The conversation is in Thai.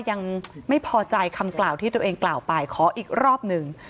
ยังไม่พอใจคำกล่าวที่ตัวเองกล่าวไปขออีกรอบหนึ่ง